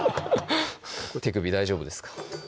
手首大丈夫ですか？